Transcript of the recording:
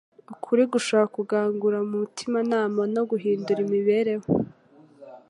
Ukuri gushobora gukangura umutimanama no guhindura imibereho